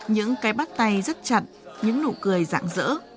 những cái bắt tay rất chặt những nụ cười rạng rỡ